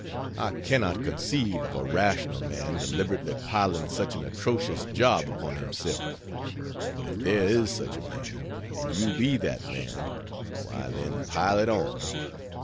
I cannot conceive of a rational man deliberately piling such an atrocious job upon himself; but if there is such a man and you be that man, why then pile it on.